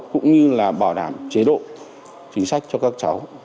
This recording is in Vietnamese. cũng như là bảo đảm chế độ chính sách cho các cháu